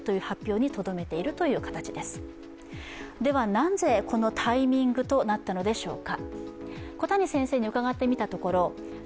なぜ、このタイミングとなったのでしょうか。